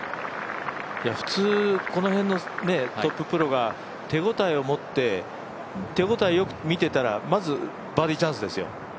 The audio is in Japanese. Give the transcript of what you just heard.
普通、この辺のトッププロが手応えを持って手応えを見ていたらまずバーディーチャンスですよ。